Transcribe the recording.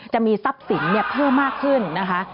จะมีทรัพย์สินเพิ่มมากขึ้นนะคะ